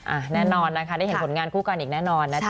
แน่นอนนะคะได้เห็นผลงานคู่กันอีกแน่นอนนะจ๊